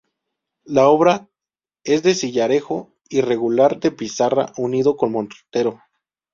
La obra es de sillarejo irregular de pizarra unido con mortero.